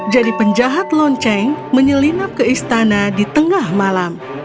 jadi penjahat lonceng menyelinap ke istana di tengah malam